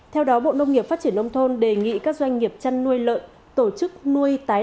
theo đó bộ nông nghiệp phát triển nông thôn đề nghị các doanh nghiệp chăn nuôi lợn tổ chức nuôi tái